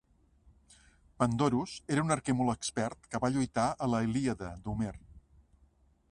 Pandorus era un arquer molt expert que va lluitar a la "Ilíada" d'Homer.